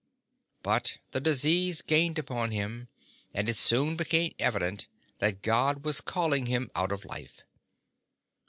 But the disease gained upon him, and it soon became evi dent that God was calling him out of life.